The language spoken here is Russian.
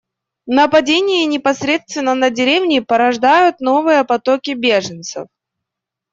Нападения непосредственно на деревни порождают новые потоки беженцев.